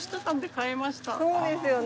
そうですよね。